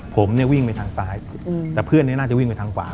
ผมเนี่ยวิ่งไปทางซ้ายแต่เพื่อนนี้น่าจะวิ่งไปทางขวา